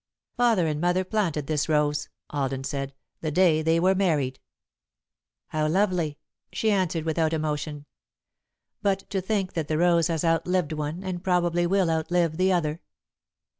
"Father and Mother planted this rose," Alden said, "the day they were married." "How lovely," she answered, without emotion. "But to think that the rose has outlived one and probably will outlive the other!"